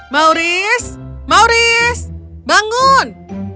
mauris mauris bangun